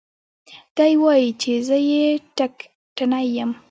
دى وايي چې زه يې ټکټنى يم.